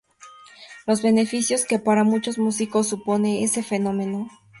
los beneficios que para muchos músicos supone ese fenómeno